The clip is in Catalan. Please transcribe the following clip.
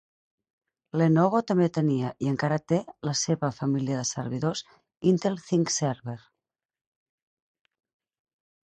Lenovo també tenia i encara té la seva família de servidors Intel ThinkServer.